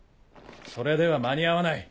それでは間に合わない